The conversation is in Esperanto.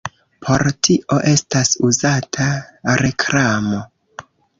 Por tio estas uzata reklamo.